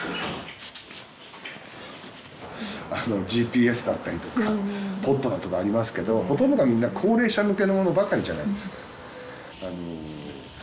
あのＧＰＳだったりとかポットだとかありますけどほとんどがみんな高齢者向けのものばかりじゃないですか。